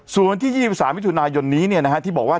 ส่วนวันที่๒๓มิถุนายนนี้ที่บอกว่า